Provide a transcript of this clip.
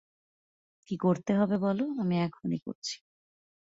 কী করতে হবে বলো, আমি এখনই করছি।